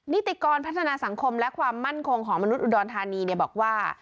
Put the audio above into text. นิติกรพัฒนาสังคมและความมั่นคงของมนุษยอุดรธานีบอกว่า